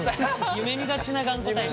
夢みがちな頑固タイプ。